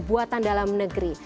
buatan dalam negeri